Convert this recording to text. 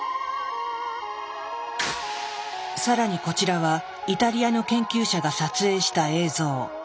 更にこちらはイタリアの研究者が撮影した映像。